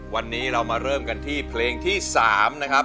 วันนี้เรามาเริ่มกันที่เพลงที่๓นะครับ